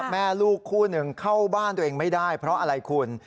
แม่ลูกคู่หนึ่งเข้าบ้านตัวเองไม่ได้เพราะอะไรคุณ